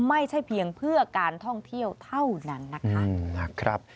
ไม่ใช่เพียงเพื่อการท่องเที่ยวเท่านั้นนะคะ